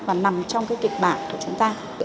và nằm trong kịch bản của chúng ta